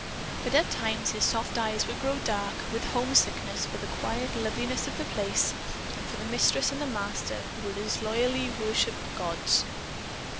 But at times his soft eyes would grow dark with homesickness for the quiet loveliness of The Place and for the Mistress and the Master who were his loyally worshiped gods.